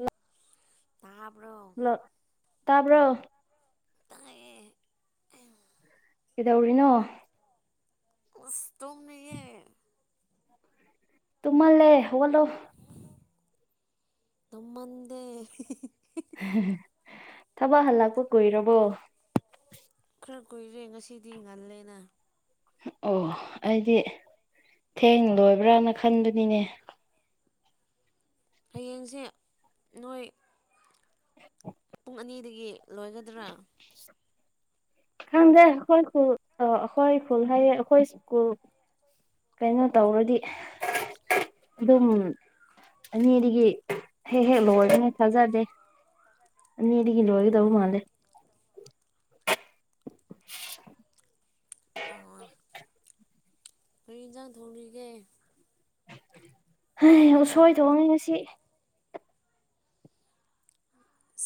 ꯑꯣ ꯇꯥꯕ꯭ꯔꯣ ꯍꯂꯣ ꯇꯥꯕ꯭ꯔꯣ ꯇꯥꯏꯌꯦ꯫ ꯀꯩꯗꯧꯔꯤꯅꯣ ꯑꯁ ꯇꯨꯝꯃꯤꯌꯦ꯫ [inaudible] ꯇꯨꯃꯜ ꯂꯦ ꯍꯣꯂꯣ꯫ ꯇꯃꯗꯦ꯫ ꯊꯕꯛ ꯍꯜꯂꯛꯄ ꯀꯨꯏꯔꯕꯣ ꯈꯔ ꯀꯨꯏꯔꯦ ꯉꯁꯤꯗꯤ ꯉꯜꯂꯦꯅ ꯑꯣ ꯑꯩꯗꯤ ꯊꯦꯡ ꯂꯣꯏꯕ꯭ꯔꯅ ꯈꯟꯕꯅꯤꯅꯦ꯫ ꯍꯌꯦꯡꯁꯦ ꯅꯣꯏ ꯄꯨꯡ ꯑꯅꯤꯗꯒꯤ ꯂꯣꯏꯒꯗ꯭ꯔꯥ [inaudible] ꯈꯪꯗꯦ ꯑꯩꯈꯣꯏ ꯈꯨꯨꯜ ꯑ ꯑꯩꯈꯣꯏ ꯈꯨꯨꯜ ꯍꯥꯏꯌꯦ ꯑꯩꯈꯣꯏ ꯁ꯭ꯀꯨꯜ ꯀꯩꯅꯣ ꯇꯧꯔꯗꯤ꯫ ꯑꯗꯨꯝ ꯑꯅꯤꯗꯒꯤ ꯍꯦꯛ ꯍꯦꯛ ꯂꯣꯏꯔꯅꯦ ꯊꯥꯖꯗꯦ꯫ ꯑꯅꯤꯗꯤ ꯀꯤꯂꯣꯒ ꯇꯧꯕ ꯑꯥ ꯃꯥꯜꯂꯦ꯫ ꯑꯣ ꯑꯩ ꯌꯦꯟꯁꯥꯡ ꯊꯣꯡꯅꯤꯒꯦ꯫ ꯍ‌ꯦ ꯎꯁꯣꯏꯊꯣꯛꯏ ꯉꯑꯅꯤ ꯉꯁꯤ꯫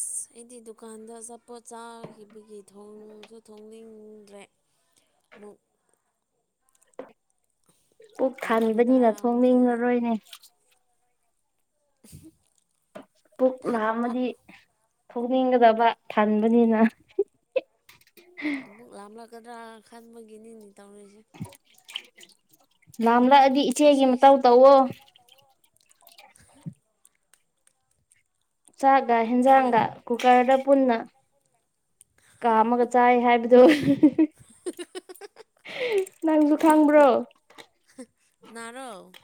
ꯑꯁ ꯑꯩꯗꯤ ꯗꯨꯀꯥꯟꯗ ꯑꯆꯥꯄꯣꯠ ꯆꯥꯈꯤꯕꯒꯤ ꯊꯣꯡꯁꯨ ꯊꯣꯡꯅꯤꯡꯗ꯭ꯔꯦ꯫ ꯃꯨ ꯄꯨꯛ ꯂꯥꯝꯂꯛꯀꯗ꯭ꯔꯥ ꯊꯥꯕꯅꯤꯅ ꯑꯃꯨꯛ ꯈꯜꯂꯦ ꯊꯣꯡꯅꯤꯡꯉꯔꯣꯏꯅꯦ꯫ ꯎꯍꯨꯝ ꯄꯨꯛ ꯂꯥꯝꯃꯗꯤ꯫ ꯊꯣꯛꯅꯤꯡꯒꯗꯕ ꯊꯟꯕꯅꯤꯅ꯫ ꯑꯃꯨꯛ ꯂꯥꯝꯂꯛꯀꯗ꯭ꯔꯥ ꯈꯟꯕꯒꯤꯅꯤꯅꯤ ꯇꯧꯔꯤꯁꯦ꯫ ꯂꯥꯝꯂꯛꯑꯗꯤ ꯏꯆꯦꯒꯤ ꯉꯁꯤꯁꯤ ꯃꯇꯧ ꯇꯧꯋꫭ꯫ ꯆꯥꯛꯒ ꯀꯔꯤ ꯍꯦꯟꯖꯥꯡꯒ ꯀꯨꯀꯔꯗ ꯄꯨꯟꯅ ꯀꯥꯝꯃꯒ ꯆꯥꯏ ꯍꯥꯏꯕꯗꫭ ꯅꯪꯁꯨ ꯈꯪꯕ꯭ꯔꯣ ꯅꯔꯣ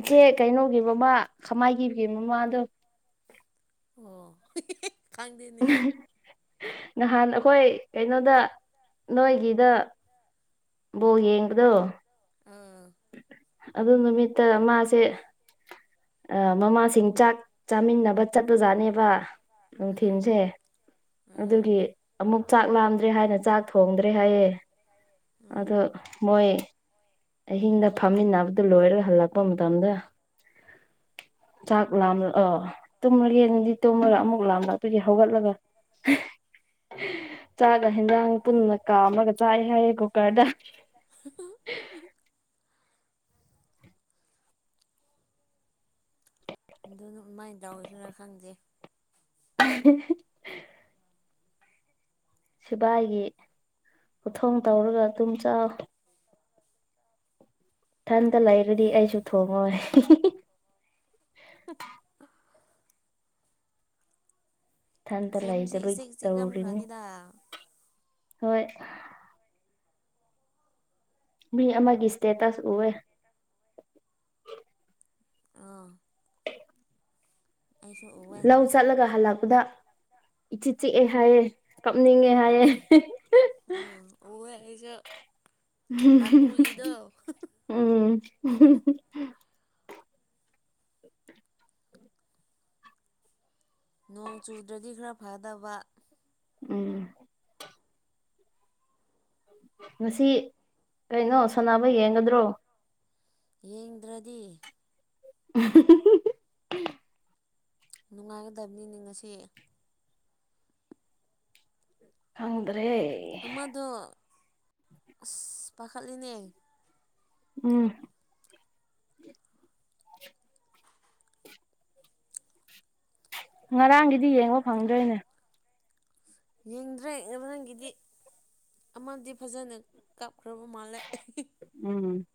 ꯏꯆꯦ ꯀꯩꯅꯣꯒꯤꯕꯃ ꯈꯃꯥꯏꯈꯤꯕꯒꯤ ꯃꯃꯥ ꯗꯣ ꯑꯣ ꯈꯪꯗꯦꯅꯦ꯫ ꯅꯍꯥꯟ ꯑꯩꯈꯣꯏ ꯀꯩꯅꯣꯗ ꯅꯣꯏꯒꯤꯗ ꯕꯣꯜ ꯌꯦꯡꯕꯗꯣ ꯑꯥ ꯑꯗꯨ ꯅꯨꯃꯤꯠꯇ ꯃꯥꯁꯦ꯫ ꯃꯃꯥꯁꯤꯡ ꯆꯥꯛ ꯆꯥꯃꯤꯟꯅꯕ ꯆꯠꯄꯖꯥꯠꯅꯦꯕ ꯑꯥ ꯅꯨꯡꯊꯤꯟꯁꯦ꯫ ꯑꯥ ꯑꯗꯨꯒꯤ ꯑꯃꯨꯛ ꯆꯥꯛ ꯂꯥꯝꯗ꯭ꯔꯦ ꯍꯥꯏꯅ ꯆꯥꯛ ꯊꯣꯡꯗ꯭ꯔꯦ ꯍꯥꯏꯌꯦ꯫ ꯎꯝ ꯑꯗꯣ ꯃꯣꯏ ꯑꯍꯤꯡꯗ ꯐꯝꯃꯤꯟꯅꯕꯗꯨ ꯂꯣꯏꯔꯒ ꯍꯜꯂꯛꯄ ꯃꯇꯝꯗ ꯆꯥꯛ ꯂꯥꯝꯂ ꯑꯣ ꯇꯨꯝꯂꯒꯦꯗꯤ ꯇꯨꯝꯂꯒ ꯑꯃꯨꯛ ꯂꯥꯝꯕ ꯑꯗꯨꯗꯤ ꯍꯧꯒꯠꯂꯒ ꯆꯥꯛꯒ ꯍꯟꯖꯥꯡ ꯄꯨꯟꯅ ꯀꯥꯝꯃꯒ ꯆꯥꯏ ꯍꯥꯏꯌꯦ ꯀꯨꯀꯔꯗ ꯃꯥꯏ ꯇꯎꯏꯁꯤꯅ ꯈꯪꯗꯦ꯫ ꯍꯤ ꯍꯤ ꯁꯤꯕꯥꯏꯒꯤ ꯈꯨꯊꯣꯡ ꯇꯧꯔꯒ ꯑꯗꯨꯨꯝꯝ ꯆꯥꯎ ꯏꯊꯟꯇ ꯂꯩꯔꯗꯤ ꯑꯩꯁꯨ ꯊꯣꯡꯉꯣꯏ ꯏꯊꯟꯇ ꯈꯨꯟꯁꯦ ꯂꯩꯗꯕꯩ ꯏꯆꯤꯛ ꯇꯧꯔꯨꯔꯤꯅꯤ ꯆꯤꯛꯂꯝꯈ꯭ꯔꯅꯤꯗ ꯑꯥ ꯍꯣꯏ ꯃꯤ ꯑꯃꯒꯤ ꯏꯁꯇꯦꯇꯁ ꯎꯑꯦ꯫ ꯑꯥ ꯑꯦ [inaudible] ꯑꯩꯁꯨ ꯎꯏ‌ꯦ ꯆꯠꯂꯒ ꯍꯜꯂꯛꯄꯗ ꯏꯆꯤ ꯆꯤꯛꯑꯦ ꯍꯥꯏꯌꯦꯦ ꯀꯞꯅꯤꯡꯉꯦ ꯍꯥꯏꯌꯦ ꯎ ꯑꯣꯋ ꯍꯥꯏꯁ ꯄꯇꯨꯖꯤꯗꫭ ꯎꯝ ꯅꯣꯡ ꯆꯨꯗ꯭ꯔꯗꯤ ꯈꯔ ꯐꯗꯕ ꯎꯝ ꯉꯁꯤ ꯀꯩꯅꯣ ꯁꯣꯅꯕ ꯌꯦꯡꯒꯗ꯭ꯔꯣ ꯌꯦꯡꯗ꯭ꯔꯗꯤ ꯎ ꯅꯨꯡꯉꯥꯏꯒꯗꯕꯅꯤꯅ‌ꯦ ꯉꯁꯤ ꯈꯪꯗ꯭ꯔꯦ ꯑꯃꯗꯣ ꯑꯁ ꯄꯥꯈꯠꯂꯤꯅꯦ ꯎꯝ [inaudible] ꯉꯔꯥꯡꯒꯤꯗꯤ ꯌꯦꯡꯕ ꯐꯪꯗ꯭ꯔꯦꯅꯦ ꯌꯦꯡꯗ꯭ꯔꯦ ꯅꯪꯒꯤꯗꯤ ꯑꯃꯗꯤ ꯐꯖꯅ ꯀꯥꯞꯈ꯭ꯔꯕ ꯃꯥꯜꯂꯦ ꯎꯝ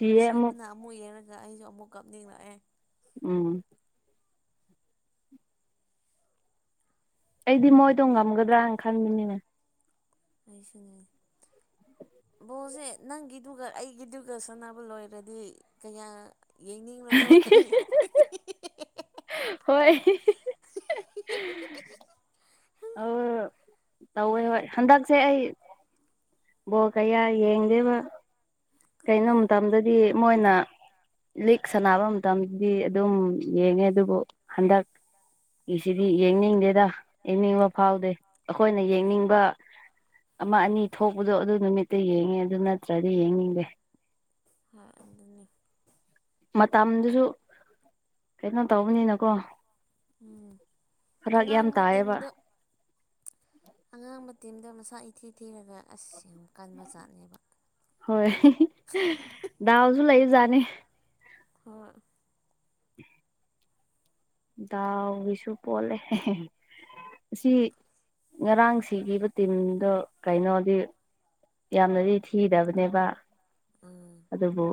ꯅꯨꯡꯁꯤꯕꯅ ꯑꯃꯨꯛ ꯌꯦꯡꯔꯒ ꯑꯩꯁꯨ ꯑꯃꯨꯛ ꯀꯞꯅꯤꯡꯂꯛꯑꯦ ꯎꯝ ꯑꯩꯗꯤ ꯃꯣꯏꯗꯣ ꯉꯝꯒꯗ꯭ꯔꯅ ꯈꯟꯕꯅꯤꯅꯦ ꯑꯩꯁꯨꯅꯦ ꯕꯣꯁꯦ ꯅꯪꯒꯤꯗꯨꯒ ꯑꯩꯒꯤꯗꯨꯒ ꯁꯥꯟꯅꯕ ꯂꯣꯏꯔꯗꯤ ꯀꯌꯥ ꯌꯦꯡꯅꯤꯡꯉꯔꯣꯏ ꯍꯣꯏ [inaudible] ꯑꯣ ꯇꯧꯋꯦ ꯍꯣꯏ ꯍꯟꯗꯛꯁꯦ ꯑꯩ ꯕꯣ ꯀꯌꯥ ꯌꯦꯡꯗꯦꯕ ꯀꯩꯅꯣ ꯃꯇꯝꯗꯗꯤ ꯃꯣꯏꯅ ꯂꯤꯛ ꯁꯥꯟꯅꯕ ꯃꯇꯝꯗꯗꯤ ꯑꯗꯨꯝ ꯌꯦꯡꯉꯦ ꯑꯗꯨꯕꯨ ꯍꯟꯗꯛ ꯁꯤꯗꯤ ꯌꯦꯡꯅꯤꯡꯗꯦꯗ ꯌꯦꯡꯅꯤꯡꯕ ꯐꯥꯎꯗꯦ ꯑꯩꯈꯣꯏꯅ ꯌꯦꯡꯅꯤꯡꯕ ꯑꯃ ꯑꯅꯤ ꯊꯣꯛꯄꯗꯣ ꯑꯗꯨ ꯅꯨꯃꯤꯠꯇ ꯌꯦꯡꯉꯦ ꯑꯗꯨ ꯅꯠꯇ꯭ꯔꯗꯤ ꯌꯦꯡꯅꯤꯡꯗꯦ ꯑꯗꯨꯅꯤ ꯃꯇꯝꯗꯨꯁꯨ ꯀꯩꯅꯣ ꯇꯧꯕꯅꯤꯅꯀꯣ ꯎꯝ ꯐꯔꯛ ꯌꯥꯝ ꯑꯉꯥꯡꯕ ꯇꯥꯏꯌꯦꯕ ꯇꯤꯝꯗꯣ ꯑꯉꯥꯡꯕ ꯇꯤꯝꯗꯣ ꯃꯁꯥ ꯏꯊꯤ ꯊꯤꯔꯒ ꯑꯁ ꯌꯥꯝ ꯀꯟꯕ ꯖꯥꯠꯅꯦꯕ ꯍꯣꯏ ꯗꯥꯎꯁꯨ ꯂꯩꯖꯥꯠꯅꯦ ꯍꯣꯏ ꯗꯎꯒꯤꯁꯨ ꯄꯣꯜꯂꯦ ꯁꯤ ꯉꯔꯥꯡ ꯁꯤꯈꯤꯕ ꯇꯤꯝꯗꯣ ꯀꯩꯅꯣꯗꯤ ꯌꯥꯝꯅꯗꯤ ꯊꯤꯗꯕꯅꯦꯕ ꯎꯝ ꯑꯗꯨꯕꯨ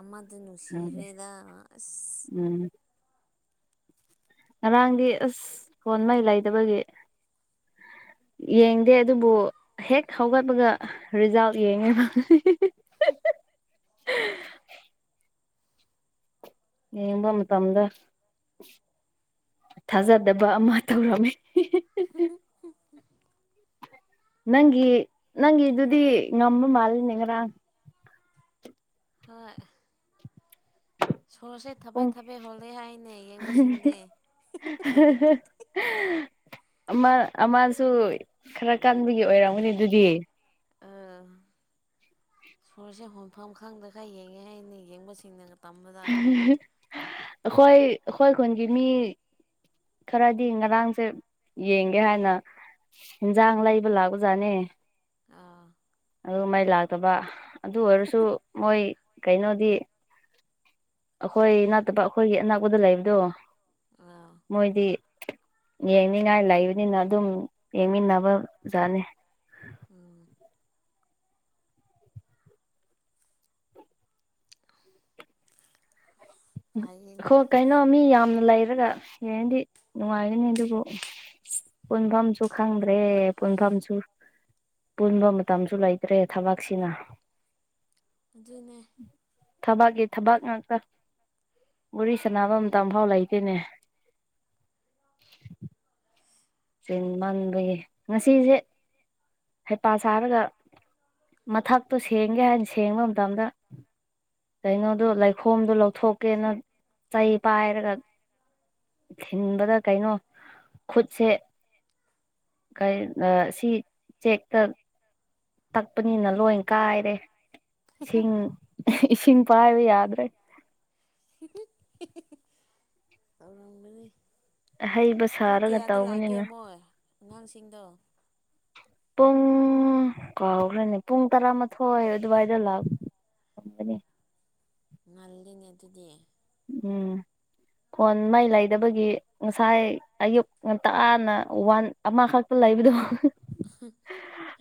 ꯑꯃꯗꯨ ꯈꯪꯗꯦ ꯅꯨꯡꯁꯤꯈ꯭ꯔꯦꯗ ꯑꯁ ꯎꯝ ꯉꯔꯥꯡꯗꯤ ꯑꯁ ꯀꯣꯟ ꯃꯩ ꯂꯩꯗꯕꯒꯤ ꯌꯦꯡꯗꯦ ꯑꯗꯨꯕꯨ ꯍꯦꯛ ꯍꯧꯒꯠꯄꯒ ꯔꯤꯖꯥꯜꯠ ꯌꯦꯡꯉꯦꯕ ꯌꯦꯡꯕ ꯃꯇꯝꯗ ꯊꯥꯖꯗꯕ ꯑꯃ ꯇꯧꯔꯝꯃꯤ ꯅꯪꯒꯤ ꯅꯪꯒꯤꯗꯨꯗꯤ ꯉꯝꯕ ꯃꯥꯜꯂꯦꯅꯦ ꯉꯔꯥꯡ ꯍꯣꯏ ꯁꯣꯔꯁꯦ ꯄꯨꯡ ꯊꯕꯦꯠ ꯊꯕꯦꯠ ꯍꯣꯜꯂꯦ ꯍꯥꯏꯅꯦ ꯌꯦꯡꯕꯁꯤꯡꯗꯤ꯫ [unintelligible] ꯑꯃ ꯑꯃꯁꯨ ꯈꯔ ꯀꯟꯕꯒꯤ ꯑꯣꯏꯔꯝꯒꯅꯤ ꯑꯗꯨꯗꯤ꯫ ꯁꯨꯔꯁꯦ ꯍꯣꯟꯐꯝ ꯈꯪꯗꯈꯩ ꯌꯦꯡꯉꯦ ꯍꯥꯏꯅꯤ ꯌꯦꯡꯕꯁꯤꯡꯅꯒ [unintelligible] ꯑꯈꯣꯏ ꯑꯈꯣꯏ ꯈꯨꯟꯒꯤ ꯃꯤ ꯈꯔꯗꯤ ꯉꯔꯥꯡꯁꯦ ꯌꯦꯡꯒꯦ ꯍꯥꯏꯅ ꯍꯦꯟꯖꯥꯡ ꯂꯩꯕ ꯂꯥꯛꯄꯖꯥꯅꯦ꯫ ꯑꯥ꯫ ꯑꯗꯨꯒ ꯃꯩ ꯂꯥꯛꯇꯕ ꯑꯗꯨ ꯑꯣꯏꯔꯁꯨ ꯃꯣꯏ ꯀꯩꯅꯣꯗꯤ ꯑꯩꯈꯣꯏ ꯅꯠꯇꯕ ꯑꯩꯈꯣꯏꯒꯤ ꯑꯅꯥꯛꯄꯗ ꯂꯩꯕꯗꯨ꯫ ꯑꯥ꯫ ꯃꯣꯏꯗꯤ ꯌꯦꯡꯅꯤꯡꯉꯥꯏ ꯂꯩꯕꯅꯤꯅ ꯑꯗꯨꯝ ꯌꯦꯡꯃꯤꯟꯅꯕ ꯖꯥꯠꯅꯤ꯫ ꯑꯥ꯫ ꯐꯩꯌꯦꯅꯦ ꯍꯣꯏ ꯀꯩꯅꯣ ꯃꯤ ꯌꯥꯝꯅ ꯂꯩꯔꯒ ꯌꯦꯡꯗꯤ ꯅꯨꯡꯉꯥꯏꯒꯅꯤ ꯑꯗꯨꯕꯨ ꯄꯨꯟꯐꯝꯁꯨ ꯈꯪꯗ꯭ꯔꯦ ꯄꯨꯟꯐꯝꯁꯨ ꯄꯨꯟꯕ ꯃꯇꯝꯁꯨ ꯂꯩꯇ꯭ꯔꯦ ꯊꯕꯛꯁꯤꯅ꯫ ꯑꯗꯨꯅꯦ꯫ ꯊꯕꯥꯥꯛꯀꯤ ꯊꯕꯛ ꯉꯥꯛꯇ꯫ ꯋꯔꯤ ꯁꯅꯕ ꯃꯇꯝꯐꯥꯎ ꯂꯩꯇꯦꯅꯦ꯫ ꯆꯦꯡꯃꯟꯕꯒꯤ ꯉꯁꯤꯁꯦ ꯍꯩꯄꯥ ꯁꯥꯔꯒ ꯃꯊꯛꯇꯣ ꯁꯦꯡꯒꯦ ꯍꯥꯏꯅ ꯁꯦꯡꯕ ꯃꯇꯝꯗ ꯀꯩꯅꯣꯗꯣ ꯂꯩꯈꯣꯝꯗꯣ ꯂꯧꯊꯣꯛꯀꯦꯅ ꯆꯩ ꯄꯥꯏꯔꯒ ꯊꯤꯟꯕꯗ ꯀꯩꯅꯣ ꯈꯨꯠꯁꯦ ꯀꯩ ꯑ ꯁꯤ ꯆꯦꯛꯇ ꯇꯛꯄꯅꯤꯅ ꯂꯣꯏꯟ ꯀꯥꯏꯔꯦ ꯏꯁꯤꯡ ꯏꯁꯤꯡ ꯄꯥꯏꯕ ꯌꯥꯗ꯭ꯔꯦ꯫ ꯇꯧꯔꯥꯡꯒꯅꯤ꯫ ꯑꯍꯩꯕ ꯄꯨꯡ ꯁꯥꯔꯒ ꯀꯌꯥꯗ ꯂꯥꯛꯀꯦ ꯇꯧꯕꯅꯤꯅ ꯃꯣꯏ ꯑꯉꯥꯡꯁꯤꯡꯗꯣ꯫ ꯄꯨꯡ ꯀꯥꯎꯈ꯭ꯔꯦꯅꯦ ꯄꯨꯡ ꯇꯔꯥꯃꯥꯊꯣꯏ ꯑꯗꯨꯋꯥꯏꯗ ꯂꯥꯛ ꯉꯜꯂꯤꯅꯦ ꯑꯗꯨꯗꯤ꯫ ꯎꯝ ꯐꯣꯟ ꯃꯥꯏ ꯂꯩꯗꯕꯒꯤ ꯉ ꯉꯁꯥꯏ ꯑꯌꯨꯛ ꯉꯟꯇꯥꯅ ꯋꯥꯟ ꯑꯃꯈꯛꯇ ꯂꯩꯕꯗꯨ꯫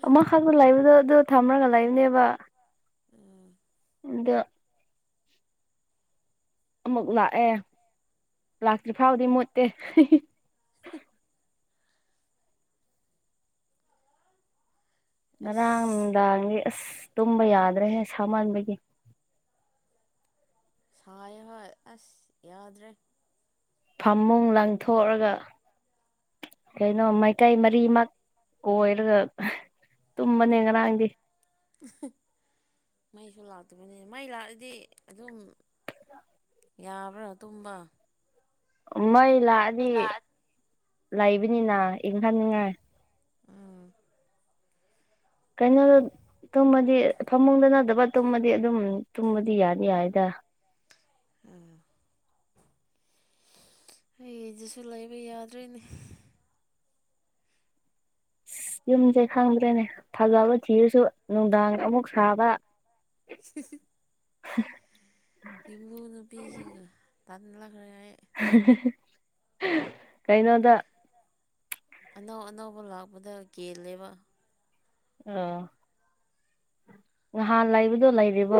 ꯑꯃꯈꯥꯛꯇ ꯂꯩꯕꯗꯣ ꯑꯗꯨ ꯊꯝꯔꯒ ꯂꯩꯕꯅꯦꯕ꯫ ꯑꯥ꯫ ꯑꯗꫭ ꯑꯃꯨꯛ ꯂꯥꯛꯑꯦ ꯂꯥꯛꯇ꯭ꯔꯤ ꯐꯥꯎꯗꯤ ꯃꯨꯠꯇꯦ꯫ ꯉꯔꯥꯡ ꯑꯁ ꯅꯨꯡꯗꯥꯡꯗꯤ ꯑꯁ ꯇꯨꯝꯕ ꯌꯥꯗ꯭ꯔꯦꯍꯦ ꯁꯥꯃꯟꯕꯒꯤ꯫ ꯁꯥꯌꯦ ꯍꫭꯏ ꯑꯁ ꯌꯥꯗ꯭ꯔꯦ꯫ ꯐꯃꯨꯡ ꯂꯪꯊꯣꯛꯑꯒ ꯀꯩꯅꯣ ꯃꯥꯏꯀꯩ ꯃꯔꯤꯃꯛ ꯀꯣꯏꯔꯒ ꯇꯨꯝꯕꯅꯦ ꯉꯔꯥꯡꯗꯤ꯫ [unintelligible] ꯃꯩꯁꯨ ꯂꯥꯛꯇꯕꯅꯤ ꯃꯩ ꯂꯥꯛꯔꯗꯤ ꯑꯗꯨꯝ ꯌꯥꯕ꯭ꯔꯥ ꯇꯨꯝꯕ꯫ ꯃꯩ ꯂꯥꯛꯑꯗꯤ ꯂꯩꯕꯅꯤꯅ ꯏꯪꯍꯟꯅꯤꯡꯉꯥꯏ꯫ ꯎꯝ꯫ ꯀꯩꯅꯣꯗ ꯇꯨꯝꯃꯗꯤ ꯐꯃꯨꯡꯗ ꯅꯠꯇꯕ ꯇꯨꯝꯃꯗꯤ ꯑꯗꯨꯝ ꯇꯨꯝꯃꯗꯤ ꯌꯥꯅꯤ ꯌꯥꯏꯗ꯫ ꯑꯥ꯫ ꯍꯩ ꯑꯗꯨꯁꯨ ꯂꯩꯕ ꯌꯥꯗ꯭ꯔꯦꯅꯦ꯫ ꯑꯁ ꯌꯨꯝꯁꯦ ꯈꯪꯗ꯭ꯔꯦꯅꯦ ꯐꯥꯖꯕ ꯊꯤꯔꯁꯨ ꯅꯨꯡꯗꯥꯡ ꯑꯃꯨꯛ ꯁꯥꯕ꯫ [unintelligible] ꯌꯨꯝꯕꯨ ꯅꯨꯄꯤꯁꯤꯡꯒ ꯇꯥꯟꯂꯛꯈ꯭ꯔꯦ꯫ ꯀꯩꯅꯣꯗ ꯑꯅꯧ ꯑꯅꯧꯕ ꯂꯥꯛꯄꯗ ꯀꯦꯜꯂꯦꯕ ꯑ ꯅꯍꯥꯟ ꯂꯩꯕꯗꯣ ꯂꯩꯔꯤꯕꯣ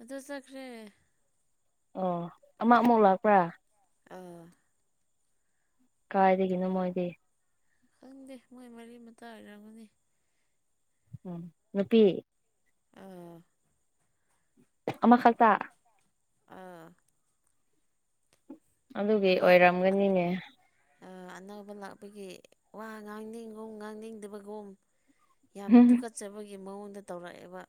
ꯑꯗꯨ ꯆꯠꯈ꯭ꯔꯦ ꯑꯣ ꯑꯃ ꯑꯃꯨꯛ ꯂꯥꯛꯄ꯭ꯔꯥ ꯑꯥ ꯀꯥꯏꯗꯒꯤꯅꯣ ꯃꯣꯏꯗꯤ ꯈꯪꯗꯦ ꯃꯣꯏ ꯃꯔꯤ ꯃꯇꯥ ꯑꯣꯏꯔꯝꯒꯅꯤ ꯅꯨꯄꯤ ꯑꯥ ꯑꯃꯈꯛꯇ ꯑꯥ ꯑꯗꯨꯒꯤ ꯑꯣꯏꯔꯝꯒꯅꯤꯅꯦ ꯑ ꯑꯅꯧꯕ ꯂꯥꯛꯄꯒꯤ ꯋꯥ ꯉꯥꯡꯅꯤꯡꯒꯨꯝ ꯉꯥꯡꯅꯤꯡꯗꯕꯒꯨꯝ ꯌꯥꯝ ꯍꯨꯝ ꯇꯨꯀꯠꯆꯕꯒꯤ ꯃꯑꯣꯡꯗ ꯇꯧꯔꯛꯑꯦꯕ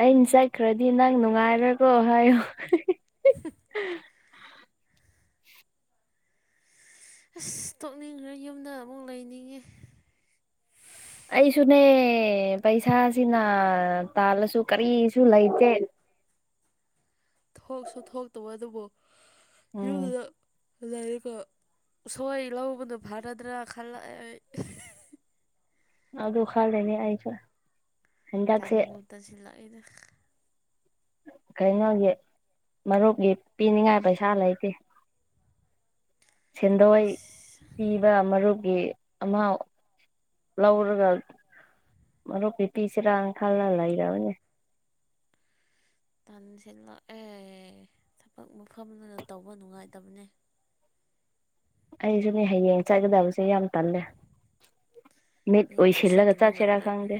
ꯑꯩꯅ ꯆꯠꯈ꯭ꯔꯗꯤ ꯅꯪ ꯅꯨꯡꯉꯥꯏꯔꯀꯣ ꯍꯥꯏꯌꯣ [inaudible] ꯑꯁ ꯇꯣꯛꯅꯤꯡꯈ꯭ꯔꯦ ꯌꯨꯝꯗ ꯑꯃꯨꯛ ꯂꯩꯅꯤꯡꯉꯦ ꯑꯩꯁꯨꯅꯦ ꯄꯩꯁꯥꯁꯤꯅ ꯇꯥꯜꯂꯁꯨ ꯀꯔꯤꯁꯨ ꯂꯩꯇꯦ ꯊꯣꯛꯁꯨ ꯊꯣꯛꯇꯕ ꯑꯗꯨꯕꯨ ꯎꯝ ꯌꯨꯝꯗꯨꯗ ꯂꯩꯕ ꯁꯣꯏ ꯂꯧꯕꯗꯣ ꯐꯅꯗ꯭ꯔꯥ ꯈꯜꯂꯛꯑꯦ ꯑꯩ ꯑꯗꯨ ꯈꯜꯂꯤꯅꯤ ꯑꯩꯖꯨ ꯇꯟꯕꯨ ꯇꯟꯁꯤꯂꯛꯏꯗ ꯀꯩꯅꯣꯒꯤ ꯃꯔꯨꯞꯀꯤ ꯄꯤꯅꯤꯡꯉꯥꯏ ꯄꯩꯁꯥ ꯂꯩꯇꯦ ꯁꯦꯟꯗꯣꯏ ꯄꯤꯕ ꯃꯔꯨꯞꯀꯤ ꯑꯃꯥꯎ ꯂꯧꯔꯒ ꯃꯔꯨꯝ ꯀꯤ ꯄꯤꯁꯤꯔ ꯈꯜꯂ ꯂꯩꯔꯝꯅꯦ ꯇꯟꯁꯤꯠꯂꯛꯑꯦ ꯊꯕꯛ ꯃꯐꯝꯗꯨꯅ ꯇꯧꯕ ꯅꯨꯡꯉꯥꯏꯇꯕꯅꯦ ꯑꯩꯁꯨꯅꯦ ꯍꯌꯦꯡ ꯆꯠꯀꯗꯕꯁꯦ ꯌꯥꯝ ꯇꯜꯂꯦ ꯃꯤꯠ ꯃꯤꯕꯨ ꯑꯎꯏꯁꯤꯜꯂꯒ ꯎꯁꯤꯠꯇꯕ ꯆꯠꯁꯤꯔ ꯉꯥꯛꯇ ꯈꯪꯗꯦ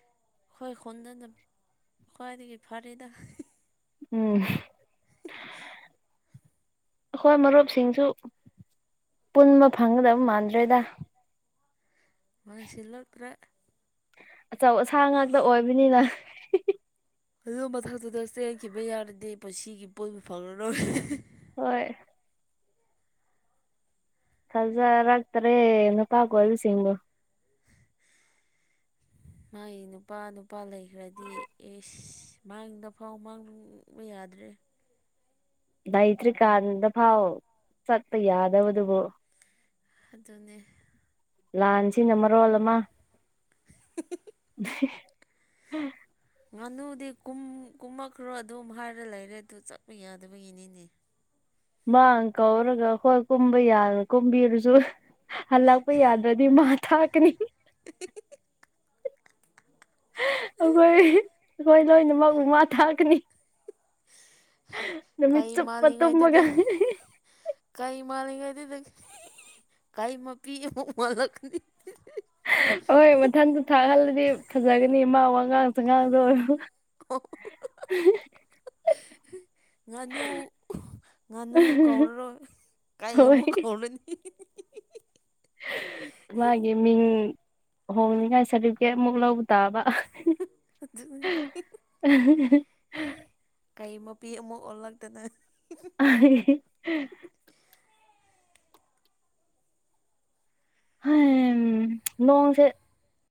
ꯑꯩꯈꯣꯏ ꯈꯨꯟꯗꯅ ꯈ꯭ꯋꯥꯏꯗꯒꯤ ꯐꯔ‌ꯦꯗ ꯎꯝ [unintelligible] ꯑꯈꯣꯏ ꯃꯔꯨꯞꯁꯤꯡꯁꯨ ꯄꯨꯟꯕ ꯐꯪꯒꯗꯕ ꯃꯥꯟꯗ꯭ꯔꯦꯗ ꯃꯥ ꯁꯤꯜꯂꯛꯇ꯭ꯔ‌ꯦ ꯑꯆꯧ ꯑꯁꯥꯡ ꯉꯥꯛꯇ ꯑꯣꯏꯕꯅꯤꯅ ꯑꯗꯨ ꯃꯊꯛꯇꯨꯗ ꯆꯦꯟꯈꯤꯕ ꯌꯥꯔꯗꯤꯦ ꯄꯨꯟꯁꯤꯒꯤ ꯄꯣꯠꯕꯨ ꯐꯪꯂꯔꯣꯏ ꯍꯣꯏ ꯊꯖꯥꯔꯛꯇꯔꯦ ꯅꯨꯄꯥ ꯀꯣꯏꯕ ꯁꯤꯡꯕꯨ [inaudible] ꯃꯥꯒꯤ ꯅꯨꯄꯥ ꯅꯨꯄꯥ ꯂꯩꯈ꯭ꯔꯗꯤ ꯑꯦꯁ ꯃꯥꯡꯗ ꯐꯥꯎ ꯃꯥꯡꯕ ꯌꯥꯗ꯭ꯔꯦ ꯂꯩꯇ꯭ꯔꯤꯀꯥꯟꯗ ꯐꯥꯎ ꯆꯠꯄ ꯌꯥꯗꯕꯗꯨꯕꯨ ꯑꯗꯨꯅꯦ ꯂꯥꯟꯁꯤꯅ ꯃꯔꯣꯜ ꯑꯃ ꯉꯥꯅꯨꯗꯤ ꯀꯨꯝ ꯀꯨꯝꯃꯛꯈ꯭ꯔꯣ ꯑꯗꯨꯝ ꯍꯥꯏꯔ ꯂꯩꯔꯦ ꯑꯗꯨ ꯆꯠꯄ ꯌꯥꯗꯕꯒꯤꯅꯤꯅꯦ ꯃꯥꯥꯡ ꯀꯧꯔꯒ ꯍꯈꯣꯏ ꯀꯨꯝꯕ ꯌꯥꯗ ꯀꯨꯝꯕꯤꯔꯁꯨ ꯍꯜꯂꯛꯄ ꯌꯥꯗ꯭ꯔꯗꯤ ꯃꯥ ꯊꯥꯛꯀꯅꯤ [unintelligible] ꯑꯩꯈꯣꯏ ꯑꯩꯈꯣꯏ ꯂꯣꯏꯅꯃꯛ ꯄꯨ ꯃꯥ ꯊꯥꯛꯀꯅꯤ ꯅꯨꯃꯤꯠ ꯀꯩ ꯆꯨꯞꯄ ꯃꯥꯂꯤꯉꯥꯏꯗꯨꯗ ꯇꯨꯝꯃꯒ ꯀꯩ ꯃꯥꯜꯂꯤꯉꯩꯗꯨ ꯀꯩ ꯃꯄꯤ ꯑꯃꯨꯛ ꯑꯣꯜꯂꯛꯀꯅꯤ ꯍꯣꯏ ꯃꯊꯟꯗ ꯊꯥꯛꯍꯜꯂꯗꯤ ꯐꯖꯒꯅꯤ ꯃꯥ ꯋꯥꯉꯥꯡ ꯁꯉꯥꯡꯗ ꯑꯣꯏꯔꯣ [unintelligible] [unintelligible] ꯉꯥꯅꯨ ꯉꯥꯅꯨ ꯀꯧꯔꯔꯣꯏ ꯀꯩ ꯍꯣꯏ ꯑꯃꯨꯛ ꯀꯧꯔꯅꯤ ꯃꯥꯒꯤ ꯃꯤꯡ ꯍꯣꯡꯅꯤꯉꯥꯏ ꯁꯥꯔꯇꯤꯐꯤꯀꯦꯠꯃꯨꯛ ꯂꯧꯕ ꯇꯥꯕ ꯑꯗꯨꯅꯤ ꯀꯩ ꯃꯄꯤ ꯑꯃ ꯑꯣꯜꯂꯛꯇꯅ ꯑꯥꯏ ꯍꯥꯝ ꯅꯣꯡꯁꯦ